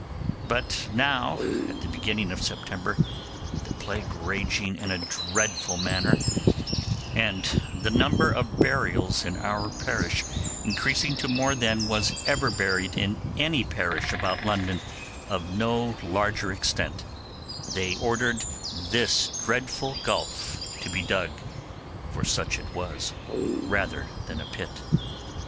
But now, at the beginning of September, the plague raging in a dreadful manner, and the number of burials in our parish increasing to more than was ever buried in any parish about London of no larger extent, they ordered this dreadful gulf to be dug—for such it was, rather than a pit.